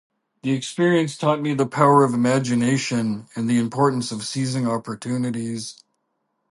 This experience taught me the power of imagination and the importance of seizing opportunities.